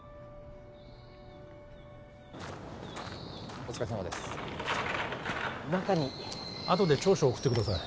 ・お疲れさまです中にあとで調書送ってください